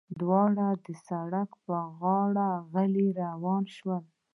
دواړه د سړک پر غاړه غلي روان شول.